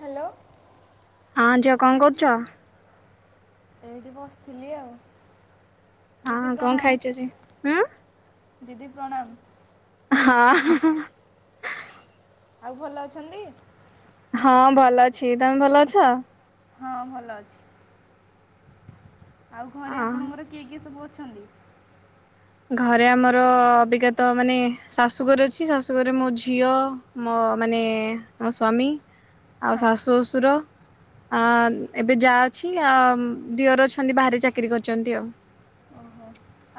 Hello. ହଁ ଝିଅ କଣ କରୁଚ? ଏଇଟି ବସିଥିଲି ଆଉ ଦିଦି ହଁ କଣ ଖାଇଛ ଯେ? ପ୍ରଣାମ। ଉଁ ଦିଦି ପ୍ରଣାମ। ହଁ ହ ହଁ। ଆଉ ଭଲ ଅଛନ୍ତି? ହଁ ଭଲ ଅଛି ତମେ ଭଲ ଅଛ? ହଁ ଭଲ ଅଛି ଆଉ ଅ ଘରେ ଆପଣଙ୍କର କିଏ କିଏ ସବୁ ଅଛନ୍ତି? ଘରେ ଆମର ଅବିକା ତ ମାନେ ଶାଶୁଘରେ ଅଛି ଶାଶୁଘରେ ମୋ ଝିଅ ମୋ ମାନେ ମୋ ସ୍ୱାମୀ ଆଉ ହଁ ଶାଶୁ ଶଶୁର। ଆ ଏବେ ଜା ଅଛି ଆ ଉଁ ଦିଅର ଅଛନ୍ତି ବାହାରେ ଚାକିରି କରିଚନ୍ତି ଆଉ। ଓ ହୋ।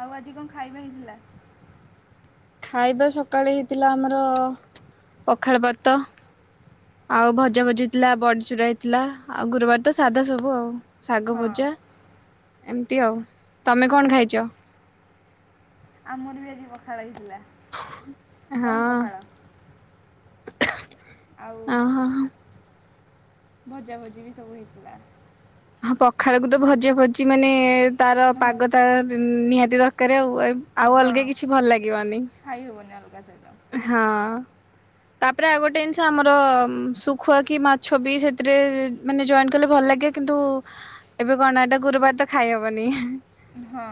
ଆଉ ଆଜି କଣ ଖାଇବା ହେଇଥିଲା? ଖାଇବା ସକାଳେ ହେଇଥିଲା ଆମର ପଖାଳ ଭାତ। ଆଉ ଭଜା ଭଜି ହେଇଥିଲା ବଡିଚୂୁରା ହେଇଥିଲା ଆଉ ଗୁରୁବାର ତ ସାଧା ସବୁ ଆଉ। ହଁ ଶାଗଭଜା ଏମତି ଆଉ ତମେ କଣ ଖାଇଚ? ଆମର ବି ଆଜି ପଖାଳ ହେଇଥିଲା। ଦହି ପଖାଳ ହଁ। ଆଉ। ଓହୋ। ଭଜା ଭଜି ବି ସବୁ ହେଇଥିଲା। ହଁ ପଖାଳକୁ ତ ଭଜା ଭଜି ମାନେ ତାର ନହ ପାଗ ତା ଜି ନିହାତି ଦରକାର ଆଉ ଏ ଆଉ ହଁ ଅଲଗା କିଛି ଭଲ ଲାଗିବନି। ଖାଇ ହେବନି ଆଉ କାହା ସହିତ। ହଁ। ତାପରେ ଆଉ ଗୋଟେ ଜିନିଷ ଆମର ଉଁ ଶୁଖୁଆ କି ମାଛ ବି ସେଥିରେ ଇ ମାନେ ଜଏନ୍ କଲେ ଭଲ ଲାଗେ କିନ୍ତୁ ଏବେ କଣ ନା ଟା ଗୁରୁବାର ତ ଖାଇ ହବନି। ହଁ।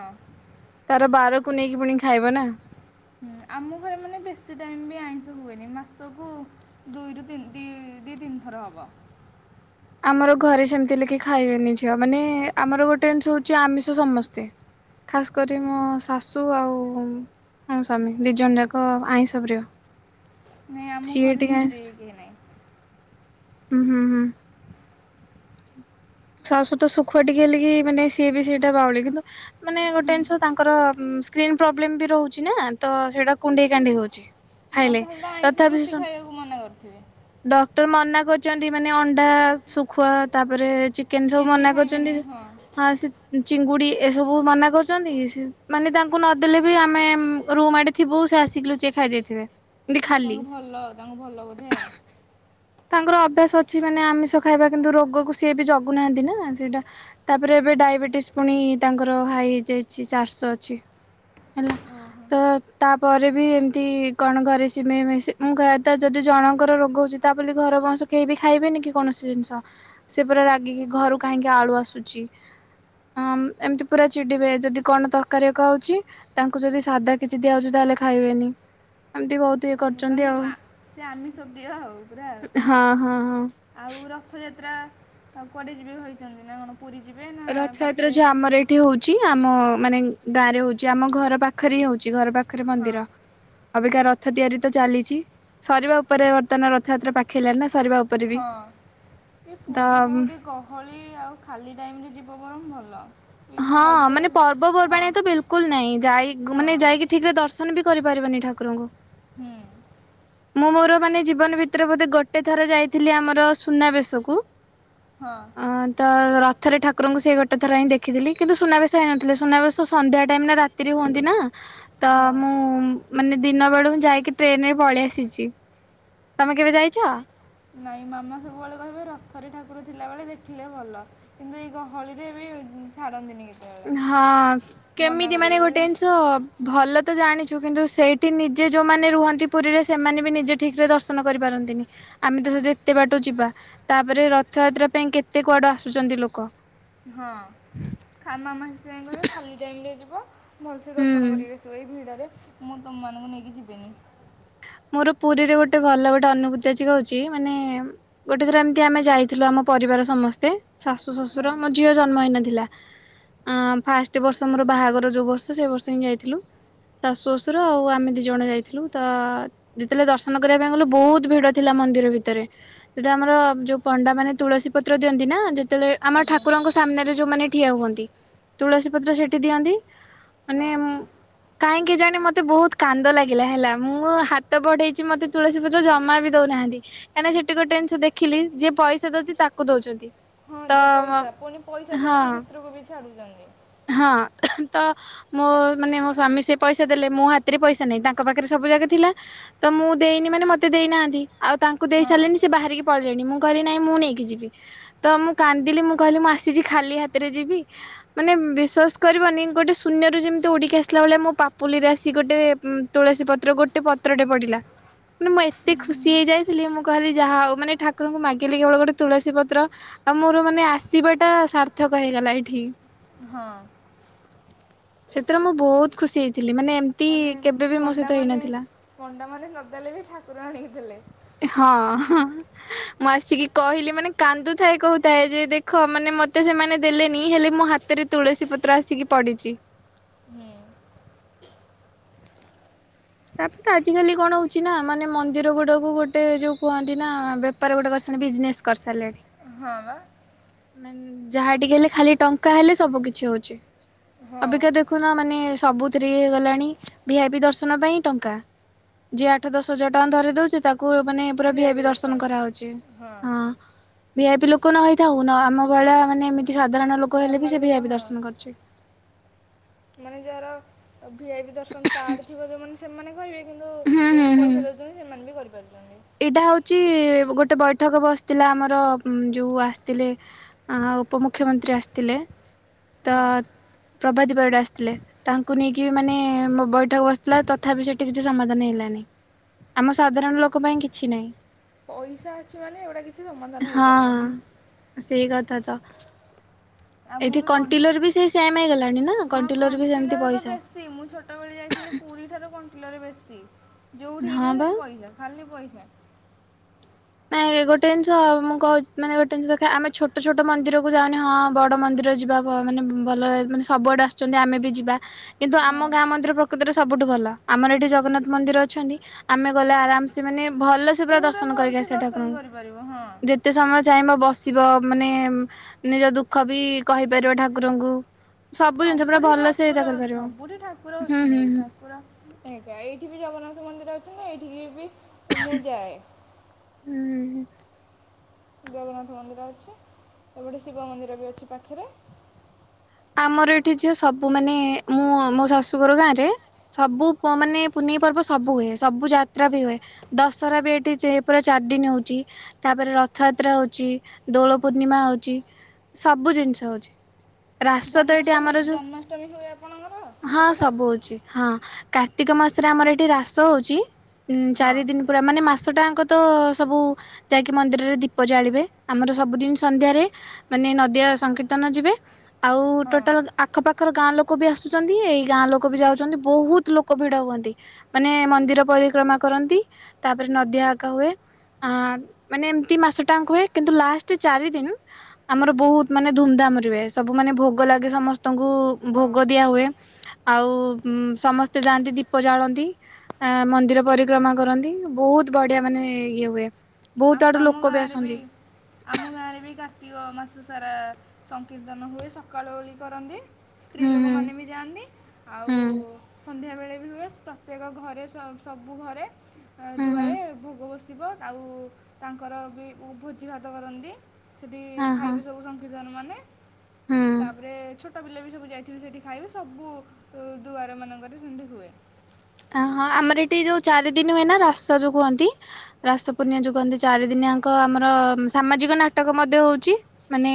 ତାର ବାରକୁ ନେଇକି ପୁଣି ଖାଇବ ନା। ହୁଁ, ଆମ ଘରେ ମାନେ ବେଶି ଟାଇମ୍ ବି ଆଇଁଷ ହୁଏନି ମାସକୁ ଦୁଇରୁ ତି ଦି ଦି ତିନିଥର ହବ। ଆମର ଘରେ ସେମତି ହେଲେ କେହି ଖାଇବେନି ଝିଅ ମାନେ ଆମର ଗୋଟେ ଜିନିଷ ହଉଚି ଆମିଷ ସମସ୍ତେ। ଖାସ୍ କରି ମୋ ଶାଶୁ ଆଉ ଆଉ ମୋ ସ୍ବାମୀ ଦି ଜଣ ଯାକ ଆଇଁଷ ପ୍ରିୟ। ନାଇଁ ଆମ ସିଏ ଘରେ ସେମିତି ଟିକେ-ହଁ କେହି ନାହିଁ ହୁଁ ହୁଁ। ଶାଶଵତ ସୁଖୁଆ ଟିକେ ଲାଗି ମାନେ ସିଏ ବି ସେଇଟା ବାଉଳି କିନ୍ତୁ ମାନେ ଗୋଟେ ଜିନିଷ ତାଙ୍କର ସ୍କ୍ରିନ୍ ପ୍ରୋବ୍ଲେମ ବି ରହୁଛି ନା ତ ସେଇଟା କୁଣ୍ଡେଇ କାନ୍ଦେଇ ହଉଛି। ହଁ ଖାଇଲେ ତାହେଲେ ତ ଆଇଁଷ ତଥାପି ସେ ବେଶୀ ଖାଇବାକୁ ମନା କରିଥିବେ ଶୁଣ ଡକ୍ଟର ମନା କରୁଛନ୍ତି ମାନେ ଅଣ୍ଡା, ଶୁଖୁଆ, ତାପରେ ଚି ଚିକେନ୍ ସବୁ ମନା କରୁଛନ୍ତି ହଁ ସେ ଚିଙ୍ଗୁଡି ଏସବୁ ମନା କରୁଛନ୍ତି। ମାନେ ତାଙ୍କୁ ନଦେଲେ ବି ଆମେ ରୁମ୍ ଆଡ଼େ ଥିବୁ ସେ ଆସିକି ଲୁଚେଏକି ଖାଇଦେଇ ଥିବେ। ତାଙ୍କୁ ଭଲ ତାଙ୍କୁ ଭଲ ବୋଧେ ଆଉ। ତାଙ୍କର ଅଭ୍ୟାସ ଅଛି ମାନେ ଆମିଷ ଖାଇବା କିନ୍ତୁ ରୋଗକୁ ସିଏ ବି ଜଗୁନାହାନ୍ତି ନା ସେଇଟା ତାପରେ ଏବେ ଡାଇବେଟିସ୍ ପୁଣି ତାଙ୍କର ହାଇ ହେଇଯାଇଛି ଚାରିଶହ ଅଛି ହେଲା। ଓହୋ ତ ତାପରେ ବି ଏମିତି କଣ ଘରେ ସିମେଇମେସି ମୁଁ କହିବା ତ ଯଦି ଜଣଙ୍କର ରୋଗ ହଉଛି ତା ବୋଲି ଘର ବଂଶ କେହି ବି ଖାଇବେନି କି କୌଣସି ଜିନିଷ। ସେ ପୂରା ରାଗିକି ଘରୁ କାହିଁକି ଆଳୁ ଆସୁଛି। ହଁ ଏମିତି ପୁରା ଚିଡ଼ିବେ ଯଦି କଣ ତରକାରୀ ଖାଉଛି। ତାଙ୍କୁ ଯଦି ସାଧା କିଛି ଦିଆଯାଉଛି ତାହେଲେ ଖାଇବେନି। ଏମତି ବୋହୁତ୍ ତାଙ୍କୁ ସେ ଆମିଷ ଦିଅ ଆଉ। ପୁରା ଆଉ। ହଁ ହଁ ହଁ। ଆଉ ରଥଯାତ୍ରା ଆଉ କୁଆଡ଼େ ଯିବେ ଭାବିଛନ୍ତି? ନା କଣ ପୁରୀ ଯିବେ ନା ରଥଯାତ୍ରା ପାଖରେ? ଯୋଉ ଆମର ଏଠି ହଉଛି ଆମ ମାନେ ଗାଁ ରେ ହଉଛି ଆମ ଘର ପାଖରେ ହଉଛି ଘର ପାଖ ପାଖରେ ହଁ ମନ୍ଦିର। ଅବେକାା ରଥ ତିଆରି ତ ଚାଲିଛି। ସରିବା ଉପରେ ବର୍ତ୍ତମାନ ରଥଯାତ୍ରା ପାଖ ଖେିଲଣି ନା ସରିବା ଉପରେ ବି? ହଁ ଏ ତ ପୁରୀ ବହୁତ ଏ ଗହଳି ଆଉ ଖାଲି ଟାଇମ୍ ରେ ଯିବ ବରଂ ଭଲ। ଏ ହଁ ଗହଳିରେ ମାନେ ହଁ ପର୍ବପର୍ବାଣି ତ ବିଲ୍ କୁଲ୍ ନାହିଁ ଯାଇ ହଁ ମାନେ ଯାଇକି ଠିକ୍ ରେ ଦର୍ଶନ ବି କରିପାରିବନି ଠାକୁରଙ୍କୁ। ହୁଁ। ମୁଁ ମୋର ମାନେ ଜୀବନ ଭିତରେ ବୋଧେ ଗୋଟେ ଥର ଯାଇଥିଲି ଆମର ସୁନାବେଶକୁ। ହଁ। ଅ ତ ରଥରେ ଠାକୁରଙ୍କୁ ସେ ଗୋଟ ଥର ହିଁ ଦେଖିଥିଲି। କିନ୍ତୁ ସୁନାବେଶ ହେଇନଥିଲେ ସୁନାବେଶ ସନ୍ଧ୍ୟା ଟାଇମ୍ ରେ ରେ ହୁଅନ୍ତି ନା ତ ହଁ ମୁଁ ମାନେ ଦିନ ବେଳୁ ଯାଇକି ଟ୍ରେନ ରେ ପଳେଇ ଆସିଛି। ତମେ କେବେ ଯାଇଛ? ନାଇଁ ମାମା ସବୁବେଳେ କହିବ ରଥରେ ଠାକୁର ଥିଲାବେଳେ ଦେଖିଲେ ଭଲ। କିନ୍ତୁ ଏଇ ଗହଳି ରେ ବି ଛାଡନ୍ତିନି କିଛି। ହଁ କେମିତି ମାନେ କହିବେ ଗୋଟେ ଜିନିଷ ଭଲ ତ ଜାଣିଛୁ କିନ୍ତୁ ସେଇଠି ନିଜେ ଯୋଉମାନେ ରୁହନ୍ତି ପୁରୀରେ ସେମାନେ ବି ନିଜେ ଠିକ୍ ରେ ଦର୍ଶନ କରିପାରନ୍ତିନି। ଆମେ ତ ସେ ଏତେ ବାଟ ଯିବା। ତାପରେ ରଥଯାତ୍ରା ପାଇଁ କେତେ କୁଆଡୁ ଆସୁଛନ୍ତି ଲୋକ। ହଁ, ମାମା ସେଥିପାଇଁ କହିବ ଖାଲି ଟାଇମ୍ରେ ଯିବ। ଭଲସେ ହୁଁ। ଦର୍ଶନ କରିକି ଆଶିବ ଏଇ ଭିଡ଼ରେ। ମୁଁ ତୁମମାନଙ୍କୁ ନେଇକି ଯିବିନି। ମୋର ପୁରୀରେ ଗୋଟେ ଭଲ ଗୋଟେ ଅନୁଭୂତି ଜିକହୁଛି ମାନେ ଗୋଟେ ଥର ଏମିତି ଆମେ ଯାଇଥିଲୁ ଆମ ପରିବାର ସମସ୍ତେ, ଶାଶୁ ହଁ ଶ୍ୱଶୁର ମୋ ଝିଅ ଜନ୍ମହେଇନଥିଲା। ଫାଷ୍ଟ ବର୍ଷ ମୋର ବାହାଘର ଯୋଉ ବର୍ଷ ସେ ବର୍ଷ ହିଁ ଯାଇଥିଲୁ। ଶାଶୁ ଶଶୁର ଆଉ ଆମେ ଦୁଇ ଜଣ ଯାଇଥିଲୁ ତ ଯେତେବେଳେ ଦର୍ଶନ କରିବା ପାଇଁ ଗଲୁ ବୋହୁତ୍ ଭିଡ ଥିଲା ମନ୍ଦିର ଭିତରେ। ସେଟା ଆମର ଯୋଉ ପଣ୍ଡା ମାନେ ତୁଳସୀ ପତ୍ର ଦିଅନ୍ତି ନା ଯେତେବେଳେ ଆମର ଆଜ୍ଞା ଠାକୁରଙ୍କ ସାମ୍ନାରେ ଯୋଉମାନେ ଠିଆ ହୁଅନ୍ତି ତୁଳସୀ ପତ୍ର ସେଠି ଦିଅନ୍ତି। ମାନେ ହଁ କାହିଁକି ଜାଣେ ମତେ ବହୁତ କାନ୍ଦ ଲାଗିଲା ହେଲା ମୁଁ ହା ତ ବଢେଇଛି ମତେ ତୁଳସୀ ପତ୍ର ଜମା ବି ଦଉନାହାନ୍ତି। କାହିଁକିନା ସେଠି ଗୋଟେ ଜିନିଷ ଦେଖିଲି ଯିଏ ପଇସା ଦଉଛି ତାକୁ ଦଉଛନ୍ତି। ହଁ ତ ଯେ ପଇସା ପୁଣି ପଇସା ଦେଲେ ହଁ ବି ଭିତରକୁ ବି ଛାଡୁଛନ୍ତି। ହଁ ତ ମୋ ମାନେ ମୋ ସ୍ଵାମୀ ସେ ପଇସା ଦେଲେ ମୋ ହାତରେ ପଇସା ନାହିଁ ତାଙ୍କ ପାଖରେ ସବୁଯାକ ଥିଲା ତ ମୁଁ ଦେଇନି ମାନେ ମତେ ଦେଇନାହାନ୍ତି ଆଉ ତାଙ୍କୁ ଦେଇ ହଁ ସାରିଲେଣି ସେ ବାହାରିକି ପଳେଇଲେଣି ମୁଁ କହିଲି ନାଇଁ ମୁଁ ନେଇକି ଯିବି। ତ ମୁଁ କାନ୍ଦିଲି ମୁଁ କହିଲି ମୁଁ ଆସିଛି ଖାଲି ହାତରେ ଯିବି। ମାନେ ବିଶ୍ୱାସ କରିବନି ଗୋଟେ ଶୂନ୍ୟରୁ ଯେମିତି ଉଡ଼ିକି ଆସିଲା ଭଳିଆ ମୋ ପାପୁଲିରେ ଆସିକି ଗୋଟେ ତୁଳସୀ ପତ୍ର ଗୋଟେ ପତ୍ରଟେ ପଡିଲା। ମାନେ ମୁଁ ଏତେ ଖୁସି ହେଇଯାଇଥିଲି ମୁଁ କହିଲି ଯାହା ଆଉ ମାନେ ଠାକୁରଙ୍କୁ ମାଗିଲି କେବଳ ଗୋଟେ ତୁଳସୀ ପତ୍ର ଆଉ ମୋର ମାନେ ଆସିବା ଟା ସାର୍ଥକ ହେଇଗଲା ଏଠି। ହଁ। ସେଥିରେ ମୁଁ ବହୁତ ଖୁସି ହେଇଥିଲି ମାନେ ଏମିତି ମାନେ କେବେ ବି ମୋ ସହିତ ପଣ୍ଡାମାନେ ହେଇନଥିଲା। ପଣ୍ଡାମାନେ ନଦେଲେ ବି ଠାକୁର ଆଣିକି ଦେଲେ। ହଁ ହ। ମୁଁ ଆସିକି କହିଲି ମାନେ କାନ୍ଦୁଥାଏ କହୁଥାଏ ଯେ ଦେଖ ମାନେ ମତେ ସେମାନେ ଦେଲେନି ହେଲେ ମୋ ହାତ ଭିତରେ ତୁଳସୀ ପତ୍ର ଆସିକି ପଡିଛି। ହୁଁ ତାପରେ ଆଜିକାଲି କଣ ହଉଛି ନା ମାନେ ମନ୍ଦିର ଗୁଡାକୁ ଗୋଟେ ଯୋଉ କୁହନ୍ତି ନା ବେପାର ଗୁଡା କରିସନ୍ତି ବିଜନେସ୍ କରିସାରିଲେଣି। ହଁ ବା। ମାନେ ଯାହା ଟିକେ ହେଲେ ଖାଲି ଟଙ୍କା ହେଲେ ସବୁ କିଛି ହଉଛି ହଁ ଅବିକା ଖୁନ ମାନେ ସବୁଥିରେ ହେଇଗଲାଣି ଭି ଆଇ ପି ଦର୍ଶନ ପାଇଁ ଟଙ୍କା। ଯିଏ ଆଠ ଦଶ ହଜାର ଟଙ୍କା ଧରେଇ ଦଉଛି ତାକୁ କୁ ମାନେ ପୁରା ଭି ଆଇ ପି ଦର୍ଶନ କରାହଉଛି ହଁ ଭି ଆଇ ପି ଲୋକ ନ ହେଇଥାଉ ଖୁନ ଆମ ଭଳିଆ ମାନେ ଏମିତି ସାଧାରଣ ଲୋକ ହେଲେ ବି ନର୍ମାଲ ସେ ଭି ଲୋକ ଆଇ ପି ହଁ ଦର୍ଶନ କରୁଛି। ମାନେ ଯାହାର ଭି ଆଇ ପି ଦର୍ଶନ କାର୍ଡ ଥିବ ଯୋଉମାନେ ସେମାନେ କହିବେ। କିନ୍ତୁ ହୁଁ ହୁଁ ଯେଉଁମାନେ ହୁଁ ପଇସା ଦେଉଛନ୍ତି ସେମାନେ ବି କରିପାରୁଛନ୍ତି। ଏଇଟା ହଉଛି ଗୋଟେ ବୈଠକ ବସିଥିଲା ଆମର ଯୋଉ ଆସିଥିଲେ ଅ ଉପମୁଖ୍ୟମନ୍ତ୍ରୀ ଆସିଥିଲେ ତ ହଁ ପ୍ରଭାତୀ ପରିଡା ଆସିଥିଲେ। ତାଙ୍କୁ ନେଇକି ବି ମାନେ ମ ବୈଠକ ବସିଥିଲା ତଥାପି ସେଠି କିଛି ସମାଧାନ ହେଲାନି। ଆମ ସାଧାରଣ ଲୋକ ପାଇଁ କିଛି ନାହିଁ। ପଇସା ଅଛି ମାନେ ଏଗୁଡା କିଛି ସମାଧାନ ହଁ ହେଇପାରିବନି। ସେଇ କଥା ତ। ଆଉ ମୁଁ ଏଠି ବି କଣ କଣ୍ଟିଲର ବି ସେ ସେମ ହେଇଗଲାଣି ନା ହଁ କଣ୍ଟିଲର ବି ସେମିତି କଣ୍ଟିଲରେ ପଇସା। [unintelligible] ମୁଁ ଛୋଟବେଳେ ଯାଇଥିଲି ପୁରୀଠାରୁ କଣ୍ଟିଲୋ ରେ ବେଶୀ ଯେଉଁଠିକି ହଁ ଯିବ ବା ସେଇଠି ପଇସା। ଖାଲିି ପଇସା। ନାଇଁ ଗୋଟେ ଜିନିଷ ମୁଁ କହୁଛି ମାନେ ଗୋଟେ ଜିନିଷ ଦେଖ ଆମେ ଛୋଟ ଛୋଟ ମନ୍ଦିରକୁ ଯାଉନି ହଁ ବଡ ମନ୍ଦିର ଯିବା ମାନେ ଭଲ ମାନେ ସବୁଆଡେ ଆସୁଛନ୍ତି ଆମେ ବି ଯିବା କିନ୍ତୁ ଆମ ହଁ ଗାଁ ମନ୍ଦିର ପ୍ରକୃତରେ ସବୁଠୁ ଭଲ, ଆମର ଏଠି ଜଗନ୍ନାଥ ମନ୍ଦିର ଅଛନ୍ତି ଆମେ ଗଲେ ଆରାମ୍ ସେ ମାନେ ଭଲସେ ପୁରା ଦର୍ଶନ କରିକି ଭଲସେ ଆସିଵା ଦର୍ଶନ କରିପାରିବ ହଁ ଠାକୁରଙ୍କୁ। ଯେତ ତେ ସମୟ ଚାହିଁବ ବସିବ ମାନେ ନିଜ ଦୁଃଖ ବି କହିପାରିବ ଠାକୁରଙ୍କୁ। ସବୁ ଜିନିଷ ପୁରା ସବୁରି ଭଲ ସେ ଏଇଟା ଠାକୁର କରିପାରିବ ସବୁଠି ଠାକୁର ହୁଁ ହୁଁ ଅଛନ୍ତି ଠାକୁର ଆଜ୍ଞା ଏଇଠି ବି ଜଗନ୍ନାଥ ମନ୍ଦିର ଅଛନ୍ତି। ଏଇଠିକି ବି ମୁଁ ଯାଏ। ହୁଁ। ଜଗନ୍ନାଥ ମନ୍ଦିର ଅଛି, ଏଟି ଗୋଟେ ଶିବ ମନ୍ଦିର ଅଛି ପାଖରେ। ଆମର ଏଠି ଝିଅ ସବୁ ମାନେ ମୁଁ ମୋ ଶାଶୁଘର ଗାଁ ରେ ସବୁ ପୁଅମାନେ ପୁନେଇ ପର୍ବ ସବୁ ହୁଏ ସବୁ ଯାତ୍ରା ବି ହୁଏ। ଦଶହରା ବି ଏଠି ସେ ପୁରା ଚାରି ଦିନି ହଉଚି। ତାପରେ ରଥଯାତ୍ରା ହଉଚି, ଦୋଳ ପୂର୍ଣ୍ଣିମା ହଉଚି ସବୁ ଜିନିଷ ହଉଚି। ରାସ ତ ଏଠି ଜନ୍ମାଷ୍ଟମୀ ଆମର ଯୋଉ, ଜନ୍ମାଷ୍ଟମୀ ହୁଏ ଆପଣଙ୍କର ହଁ ସେପଟେ ସବୁ ହଉଚି। ହଁ କାର୍ତ୍ତିକ ମାସରେ ଆମର ଏଠି ରାସ ହଉଚି, ଉଁ ହଁ ଚାରି ଦିନି ପୁରା ମାନେ ମାସଟାଅଙ୍କ ତ ସବୁ ଯାହାକି ମନ୍ଦିରରେ ଦୀପ ଜାଳିବେ ଆମର ସବୁଦିନି ସନ୍ଧ୍ୟାରେ। ମାନେ ନଦିଆ ସଂକୀର୍ତ୍ତନ ଯିବେ ଆଉ ହଁ ଟୋଟାଲ୍ ଆଖପାଖର ଗାଁ ଲୋକ ବି ଆସୁଚନ୍ତି, ଏଇ ଗାଁ ଲୋକ ବି ଯାଉଚନ୍ତି, ବହୁତ ଲୋକ ଭିଡ ହୁଅନ୍ତି। ମାନେ ମନ୍ଦିର ପରିକ୍ରମା କରନ୍ତି, ତାପରେ ନଦିଆ ଆକା ହୁଏ। ହଁ ମାନେ ଏମିତି ମାସ ଟାଙ୍କ ହୁଏ। କିନ୍ତୁ ଲାଷ୍ଟ୍ ଚାରିଦିନି ଆମର ବହୁତ ମାନେ ଧୁମ୍ ଧାମ୍ ରେ ହୁଏସ୍। ସବୁ ମାନେ ଭୋଗ ଲାଗେ ସମସ୍ତଙ୍କୁ ହଁ ଭୋଗ ଦିଆ ହୁଏ। ଆଉ ସମସ୍ତେ ଯାଆନ୍ତି ଦୀପ ଜାଳନ୍ତି। ଆ ମନ୍ଦିର ପରିକ୍ରମା କରନ୍ତି, ବହୁତ ବଢିଆ ମାନେ ଇଏ ହୁଏ। ବହୁତ ଆ ଆଡୁ ଆମ ଲୋକ ଗାଁରେ ବି ଆସନ୍ତି ଆମ ଗାଁରେ ବି କାର୍ତ୍ତିକ ମାସ ସାରା ସଂକୀର୍ତ୍ତନ ହୁଏ ସକାଳ ଓଳି କରନ୍ତି। ସ୍ତ୍ରୀ ହୁଁ ହୁଁ ଲୋକମାନେ ବି ଯାଆନ୍ତି, ଆଉ ହୁଁ ସନ୍ଧ୍ୟାବେଳେ ବି ହୁଏ। ପ୍ର ପ୍ରତ୍ୟେକ ଘରେ ସ ସବୁ ଘରେ ହୁଁ ହୁଁ ଦୁଆରେ ଭୋଗ ବସିବ, ଆଉ ତାଙ୍କର ବି ଭୋଜି ଭାତ କରନ୍ତି ସେଠି ହଁ ହଁ। ଖାଇବେ ସବୁ ସଂକୀର୍ତ୍ତନ ମାନେ। ହୁଁ ତାପରେ ଛୋଟ ପିଲା ବି ସବୁ ଯାଇଥିବେ ସେଇଠି ଖାଇବେ ସବୁ ଉ ଦୁଆର ମାନଙ୍କରେ ସେମିତି ହୁଏ। ଅ ହଁ ଆମର ଏଠି ଯୋଉ ଚାରିଦିନ ହୁଏ ନା ରାସ ଯୋଉ କୁହନ୍ତି। ରାସ ପୂର୍ଣ୍ଣିମା ଯୋଉ କହନ୍ତି ଚାରି ଦିନି ଆଙ୍କ ଆମର ସାମାଜିକ ନାଟକ ମଧ୍ୟ ହଉଚି। ମାନେ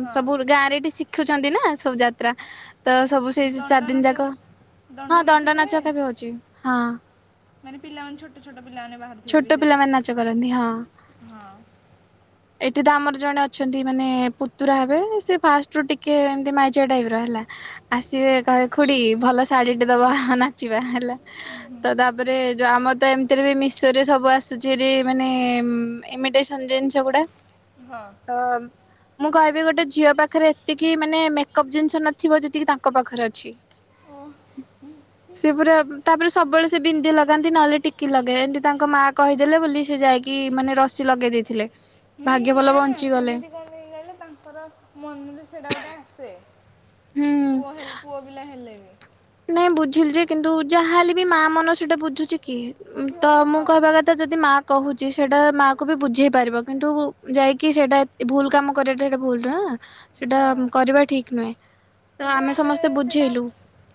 ହଁ ସବୁ ଗାଁରେ ଏଠି ଶିଖୁଚନ୍ତି ନା, ସବୁ ଯାତ୍ରା। ତ ସବୁ ସେଇ ଚାରି ଦଣ୍ଡ ଦିନି ନାଚ ଯାକ, ହଁ ନାଚ ଦଣ୍ଡ ହୁଏ ନାଚକା ବି ହଉଚି। ହଁ। ମାନେ ପିଲାମାନେ ଛୋଟ ଛୋଟ ପିଲାମାନେ ବାହାରିଥିବେ ବି ଛୋଟ ସେଥିରେ ପିଲାମାନେ ନାଚ କରନ୍ତି, ହଁ। ହଁ ଏଠି ତ ଆମର ଜଣେ ଅଛନ୍ତି ମାନେ ପୁତୁରା ହେବେ ସେ ଫାଷ୍ଟ ରୁ ଟିକେ ଏମତି ମାଇଚିଆ ଟାଇପି ର ହେଲା। ଆସିବେ କହିବେ ଖୁଡି ଭଲ ଶାଢୀ ଟେ ଦବ ନାଚିବା ହେଲା। ତ ତାପରେ ଯୋଉ ଆମର ତ ଏମିତିରେ ବି ମିଶ୍ ଏଥିରେ ସବୁ ଆସୁଚି ଫେରି ମାନେ ଇମିଟେସନ୍ ଜିନିଷ ଗୁଡା। ହଁ। ହଁମ୍। ମୁଁ କହିବି ଗୋଟେ ଝିଅ ପାଖରେ ଏତିକି ମାନେ ମେକପ୍ ଜିନିଷ ନଥିବ ଯେତିକି ତାଙ୍କ ପାଖରେ ଅଛି। ଓ ସେ ପୁରା ତାପରେ ସବୁବେଳେ ସେ ବିନ୍ଧି ଲଗାନ୍ତି ନହେଲେ ଟିକିଲି ଲଗେଇବେ ଏମତି ତାଙ୍କ ମା କହିଦେଲେ ବୋଲି ସେ ଯାଇକି ମାନେ ରସି ଲଗେଇ ଦେଇଥିଲେ। ହୁଁ ଭାଗ୍ୟ ନା ଭଲ ନା ବଞ୍ଚିଗଲେ ସେମିତି କରି ଦେଇ ଗଲେ ତାଙ୍କର ମନୁରେ ସେଟା ଗୋଟେ ଆସେ। ହୁଁ। ପୁଅ ହେଲ୍ ପୁଅ ପିଲା ହେଲେ ବି। ନାଇଁ ବୁଝିଲି ଯେ କିନ୍ତୁ ଯାହା ହେଲେ ବି ମା ମନ ସେଇଟା ବୁଝୁଚି କି ତ ବୁଝିବନି ମୁଁ ହଁ କହିବା କଥ୍ ତ ଯଦି ମା କହୁଚି ସେଟା ମା କୁ ବି ବୁଝେଇ ପାରିବ, କିନ୍ତୁ ଯାଇକି ସେଇଟା ଏ ଭୁଲ କାମ କରିବାଟା ଏଟା ଭୁଲ୍ ନାଁ। ସେଟା ହଁ କରିବା ଠିକ୍ ନୁହେଁ, ତ କିନ୍ତୁ ଆମେ ସମସ୍ତେ ସେଟା ବୁଝେଇଲୁ।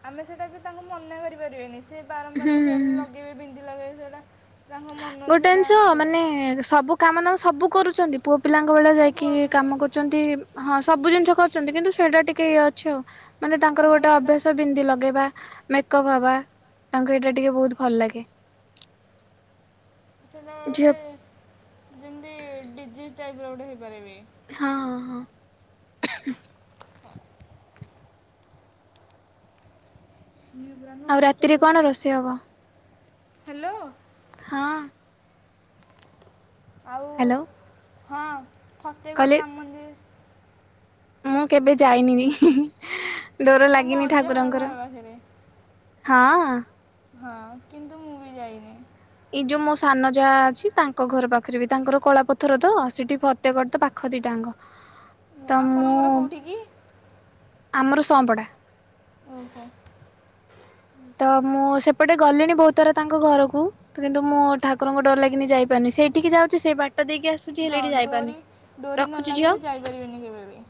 ଆମେ ସେଇଟା ବି ତାଙ୍କୁ ମନା କରିପାରିବାନି ସେ ହୁଁ ବାରମ୍ବାର ହୁଁ ସେଟା ହୁଁ। ଲଗେଇବେ ବିନ୍ଧି ଲଗେଇବେ ସେଟା-' ତାଙ୍କ ମନରୁ ଗୋଟେ ସେଟା ଜିନଷ ଆସେ ମାନେ ସବୁ କାମ ଦାମ ସବୁ କରୁଛନ୍ତି ପୁଅ ପିଲାଙ୍କ ଭଳିଆ ମାନେ ପୁଅ ଯାଇକି କାମ କରୁ-' ହଁ ସବୁ ଜିନିଷ କରୁଛନ୍ତି କିନ୍ତୁ ସେଇଟା ଟିକେ ଇଏ ଅଛି ଆଉ। ମାନେ ତାଙ୍କର ଗୋଟେ ଅଭ୍ୟାସ ବିନ୍ଧି ଲଗେଇବା ମେକଅପ୍ ହବା ତାଙ୍କୁ ଏଇଟା ଟିକେ ବହୁତ ଭଲ ଲାଗେ। ସେଇଟା ଗୋଟେ ଝିଅ ଯେମିତି ଡିଜିଟ୍ ଟାଇପ୍ ର ଗୋଟେ ହେଇପାରିବି। ହଁ ହଁ ହଁ। ତ ନିଉ ବ୍ରାଣ୍ଡ। ଆଉ ରାତିରେ କଣ ରୋଷେଇ ହବ? ହାଲୋ। ହଁ। ଆଉ ହ୍ୟାଲୋ ହଁ ଫତେଇ କହିଲେ ଗଡ଼ ରାମ ମନ୍ଦିର। ମୁଁ କେବେ ଯାଇନି ବି ଡୋର ପୁରା ମୋ ଲାଗିନି ଅଜାହର ଠାକୁରଙ୍କର। ଘର ପାଖରେ ହଁ। ହଁ କିନ୍ତୁ ମୁଁ ବି ଯାଇନି। ଏଇ ଯୋଉ ମୋ ସାନ ଯାଆ ଅଛି ତାଙ୍କ ଘର ପାଖରେ ବି ତାଙ୍କର କଳାପଥର ତ ସେଠି ଫତେକଡତେ ପାଖ ଦିଟା ଯାଙ୍କ। ତ ମୁଁ ଆପଣଙ୍କର କେଉଁଠି କି ଆମର ସୁଆଁପଡା। ଓହୋ। ତ ମୁଁ ସେପଟେ ଗଲିଣି ବୋହୁତ୍ ଥର ତାଙ୍କ ଘରକୁ। ତ କିନ୍ତୁ ମୁଁ ଠାକୁରଙ୍କୁ ଡୋର ଲାଗିନି ଯାଇପାରୁନି ସେଇଠିକି ଯାଉଛି ସେଇବା ବାଟ ଦେଇକି ଆସୁଛି ହେଲେ ହଁ ସେଠିକି ଯାଇପାରୁନି। ରଖୁଛି ଝିଅ? ପାରିବେନି କେବେ ବି।